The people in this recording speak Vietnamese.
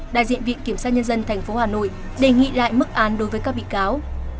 đại diện viện kiểm sát nhân dân tp hà nội đề nghị lại mức án đối với các bị cáo